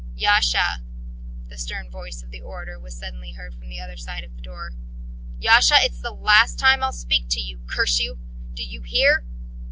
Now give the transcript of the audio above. "Yasha!" The stern voice of the orator was suddenly heard from the other side of the door. "Yasha! It's the last time I'll speak to you, curse you! ... Do you hear?"